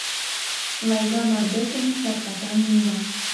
Лайга мардеж ден чаткатан лӱҥга.